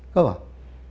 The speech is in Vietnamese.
có không ạ